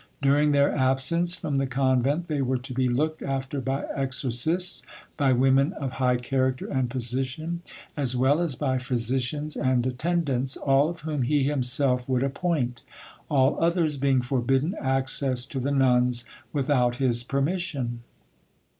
During their absence from the convent they were to be looked after by exorcists, by women of high character and position, as well as by physicians and attendants, all of whom he himself would appoint, all others being forbidden access to the nuns without his permission.